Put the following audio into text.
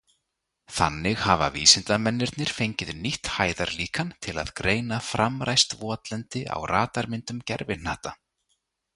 Þannig hafa vísindamennirnir fengið nýtt hæðarlíkan til að greina framræst votlendi á radarmyndum gervihnatta